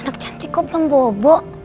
anak cantik kok belum bobok